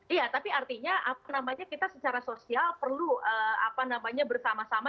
iya tapi artinya kita secara sosial perlu bersama sama